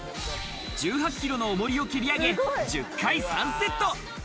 １８キロの重りを蹴り上げ、１０回３セット。